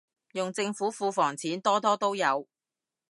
用政府庫房錢，多多都有